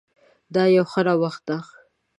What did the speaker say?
دا يو ښه نوښت ده